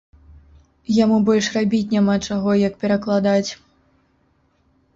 Яму больш рабіць няма чаго, як перакладаць.